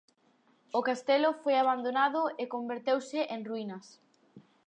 O castelo foi abandonado e converteuse en ruínas.